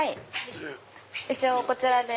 一応こちらで。